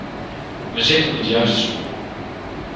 We zitten op het juiste spoor.